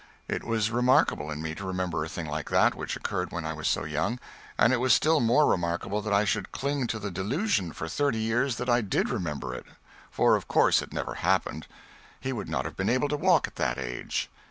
It was remarkable in me to remember a thing like that, which occurred when I was so young. And it was still more remarkable that I should cling to the delusion, for thirty years, that I did remember it for of course it never happened; he would not have been able to walk at that age.